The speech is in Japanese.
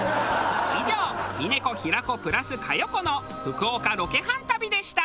以上峰子平子プラス佳代子の福岡ロケハン旅でした。